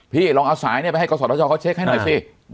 พี่ลองเอาสายเนี้ยไปให้ก่อสอทชเขาเช็คให้หน่อยสิอ่า